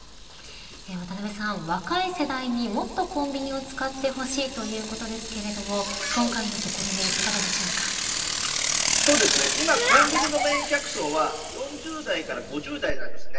渡辺さん、若い世代にもっとコンビニを使ってほしいということですけれども今コンビニのメイン客層は４０代から５０代なんですね。